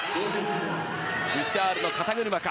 ブシャールの肩車か。